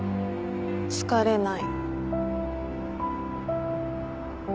疲れない。